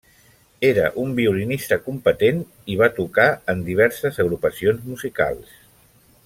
Era un violinista competent, i va tocar en diverses agrupacions musicals.